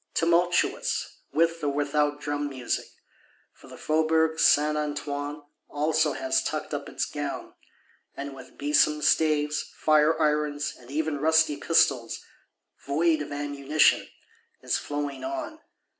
Tumultuous, with or without drum music: for the Faubourg Saint Antoine also has tucked up its gown; and, with besom staves, fire irons, and even rusty pistols (void of ammunition), is flowing on.